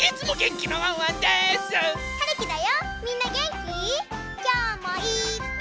きょうもいっぱい。